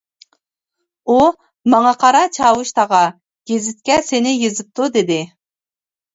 ئۇ ماڭا، قارا، چاۋۇش تاغا، گېزىتكە سېنى يېزىپتۇ، دېدى.